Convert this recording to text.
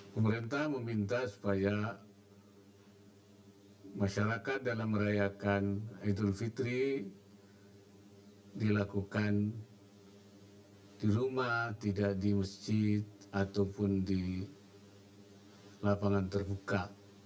pemerintah meminta supaya masyarakat dalam merayakan idul fitri dilakukan di rumah tidak di masjid ataupun di lapangan terbuka